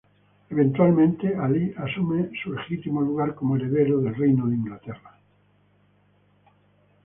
Eventualmente, Alí asume su legítimo lugar como heredero de reino de Inglaterra.